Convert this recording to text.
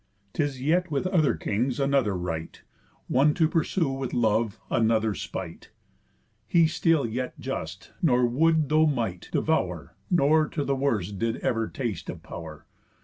'Tis yet with other kings another right, One to pursue with love, another spite; He still yet just, nor would, though might, devour, Nor to the worst did ever taste of pow'r.